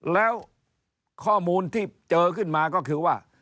แล้วข้อมูลที่เจอขึ้นมาก็คือว่า